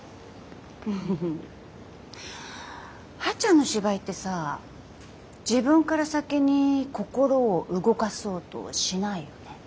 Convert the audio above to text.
ふふふはっちゃんの芝居ってさ自分から先に心を動かそうとはしないよね。